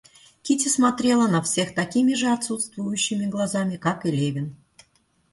Кити смотрела на всех такими же отсутствующими глазами, как и Левин.